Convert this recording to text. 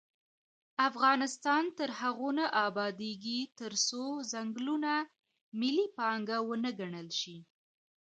افغانستان تر هغو نه ابادیږي، ترڅو ځنګلونه ملي پانګه ونه ګڼل شي.